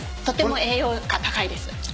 とっても栄養価高いです。